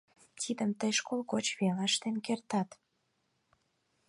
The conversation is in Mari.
Тидым тый школ гоч веле ыштен кертат.